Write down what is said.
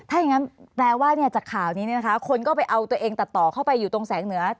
ถ้าอย่างนั้นแปลว่าจากข่าวนี้คนก็ไปเอาตัวเองตัดต่อเข้าไปอยู่ตรงแสงเหนือ